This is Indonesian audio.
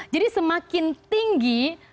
jadi semakin tinggi